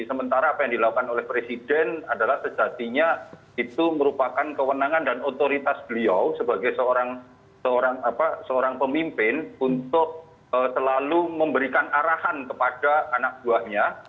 sementara apa yang dilakukan oleh presiden adalah sejatinya itu merupakan kewenangan dan otoritas beliau sebagai seorang pemimpin untuk selalu memberikan arahan kepada anak buahnya